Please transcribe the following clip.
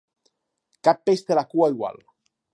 Cap peix té la cua igual.